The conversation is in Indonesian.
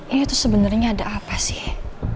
ini tuh sebenarnya ada apa sih